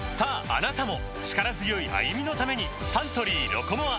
あなたも力強い歩みのためにサントリー「ロコモア」